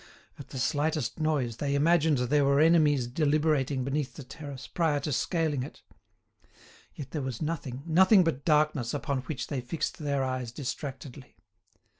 At the slightest noise they imagined there were enemies deliberating beneath the terrace, prior to scaling it. Yet there was nothing, nothing but darkness upon which they fixed their eyes distractedly.